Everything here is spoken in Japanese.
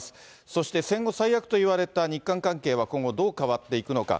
そして戦後最悪といわれた日韓関係は今後、どう変わっていくのか。